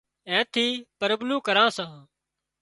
اين ٿي پرٻلوُن ڪران سان